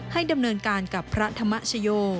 ดำเนินการกับพระธรรมชโย